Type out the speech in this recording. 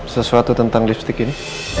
sesuatu tentang lipstick ini